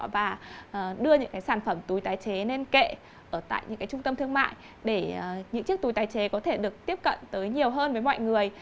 và đưa những sản phẩm túi tái chế lên kệ ở tại những cái trung tâm thương mại để những chiếc túi tái chế có thể được tiếp cận tới nhiều hơn với mọi người